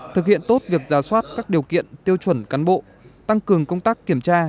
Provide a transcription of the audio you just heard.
thực hiện tốt việc giả soát các điều kiện tiêu chuẩn cán bộ tăng cường công tác kiểm tra